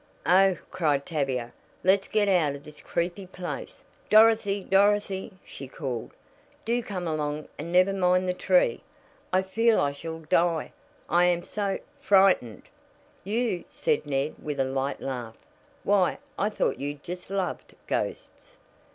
"Oh!" cried Tavia, "let's get out of this creepy place. Dorothy! Dorothy!" she called, "do come along and never mind the tree. I feel I shall die, I am so frightened!" "You!" said Ned with a light laugh. "Why, I thought you just loved ghosts."